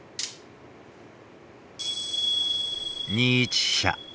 ２一飛車。